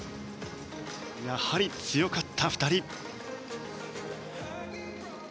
やはり強かった２人。